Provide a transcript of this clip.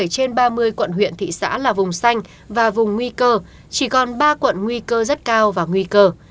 bảy trên ba mươi quận huyện thị xã là vùng xanh và vùng nguy cơ chỉ còn ba quận nguy cơ rất cao và nguy cơ